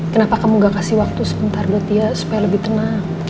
kenapa kamu gak kasih waktu sebentar buat dia supaya lebih tenang